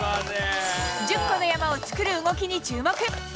１０個の山を作る動きに注目。